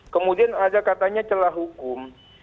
kemudian ada katanya celah hukum